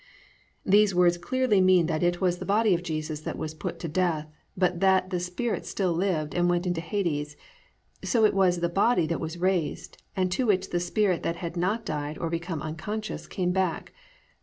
"+ These words clearly mean that it was the body of Jesus that was put to death, but that the spirit still lived and went into Hades; so it was the body that was raised and to which the spirit that had not died or become unconscious came back.